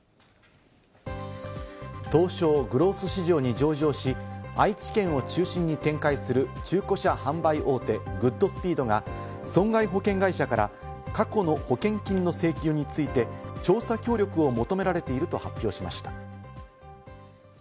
東証グロース市場に上場し、愛知県を中心に展開する中古車販売大手・グッドスピードが損害保険会社から過去の保険金の請求について、調査協力を求められていると発表しました。